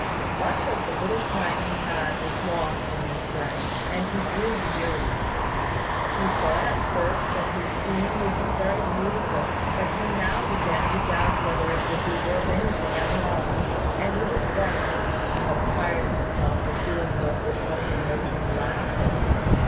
Much of the little time he had was lost in this way, and he grew wearied. He thought at first that his theme would be very beautiful: but he now began to doubt whether it would be worth anything at all; and he was vexed to have tired himself with doing what would only make him laughed at.